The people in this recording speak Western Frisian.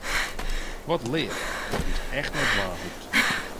Wat leaf, dat hiest echt net dwaan hoegd.